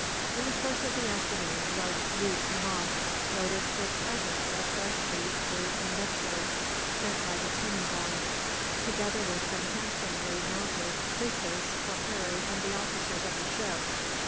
In the course of the afternoon a large canoe came off, loaded with presents of fresh meat, fruit, and vegetable; sent by the tumangong, together with some handsomely mounted krises for Harry and the officers of the ship.